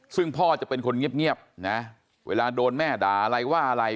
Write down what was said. ซึ่งพ่อจะเป็นคนเงียบนะเวลาโดนแม่ด่าอะไรว่าอะไร